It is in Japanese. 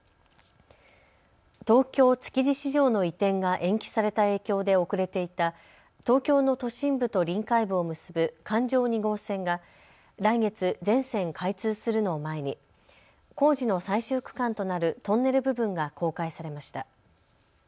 東京、築地市場の移転が延期された影響で遅れていた東京の都心部と臨海部を結ぶ環状２号線が来月、全線開通するのを前に工事の最終区間となるトンネル部分が公開されました。